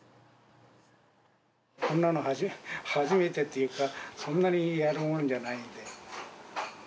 こんなの初めて、初めてっていうか、そんなにやるもんじゃないんで。